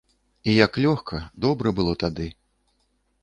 І як лёгка, добра было тады!